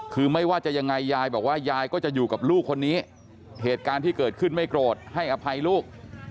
คือไม่ว่าจะยังไงยายบอกว่ายายก็จะอยู่กับลูกคนนี้เหตุการณ์ที่เกิดขึ้นไม่โกรธให้อภัยลูก